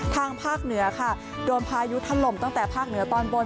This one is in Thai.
ทางภาคเหนือค่ะโดนพายุทะลมตั้งแต่ภาคเหนือตอนบน